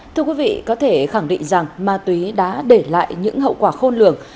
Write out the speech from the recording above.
thưa quý vị có thể khẳng định rằng ma túy đã để lại những hậu quả khôn lường